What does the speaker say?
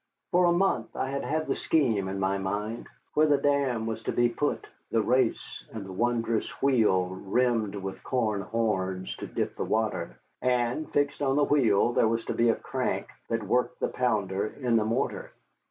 For a month I had had the scheme in my mind, where the dam was to be put, the race, and the wondrous wheel rimmed with cow horns to dip the water. And fixed on the wheel there was to be a crank that worked the pounder in the mortar.